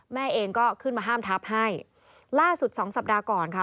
แม่เองก็ขึ้นมาห้ามทับให้ล่าสุดสองสัปดาห์ก่อนค่ะ